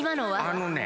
あのね